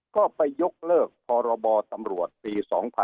ก็ไปยกเลิกพรบตำรวจปี๒๕๖๒